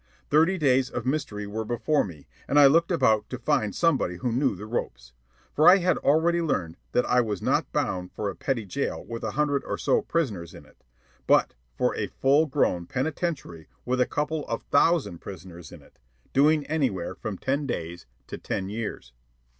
Thirty days of mystery were before me, and I looked about me to find somebody who knew the ropes. For I had already learned that I was not bound for a petty jail with a hundred or so prisoners in it, but for a full grown penitentiary with a couple of thousand prisoners in it, doing anywhere from ten days to ten years.